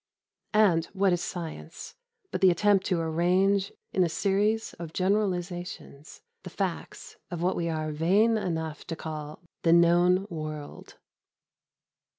And what is science but the attempt to arrange in a series of generalisations the facts of what we are vain enough to call the known world?